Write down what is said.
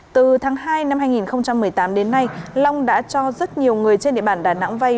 từ tháng hai năm hai nghìn một mươi tám đến nay long đã cho rất nhiều người trên địa bàn đà nẵng vay